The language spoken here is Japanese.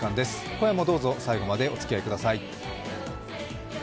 今夜もどうぞ最後までおつきあいください。